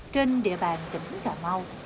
trên địa bàn tỉnh cà mau